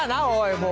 もう。